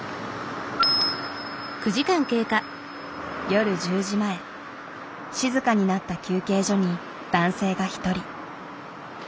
夜１０時前静かになった休憩所に男性が一人。